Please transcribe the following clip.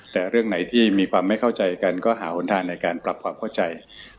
แต่เรื่องไหนที่มีความไม่เข้าใจกันก็หาหนทางในการปรับความเข้าใจ